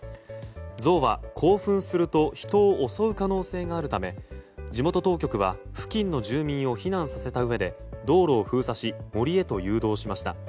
ゾウは興奮すると人を襲う可能性があるため地元当局は付近の住民を避難させたうえで道路を封鎖し森へと誘導しました。